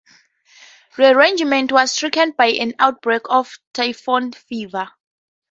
The regiment was stricken by an outbreak of Typhoid fever.